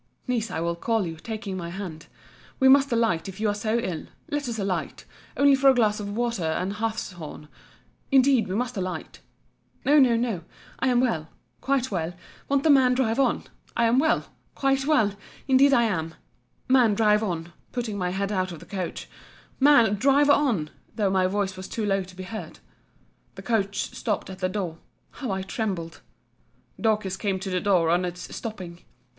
(niece I will call you, taking my hand)—we must alight, if you are so ill.—Let us alight—only for a glass of water and hartshorn—indeed we must alight. No, no, no—I am well—quite well—Won't the man drive on?—I am well—quite well—indeed I am.—Man, drive on, putting my head out of the coach—Man, drive on!—though my voice was too low to be heard. The coach stopt at the door. How I trembled! Dorcas came to the door, on its stopping.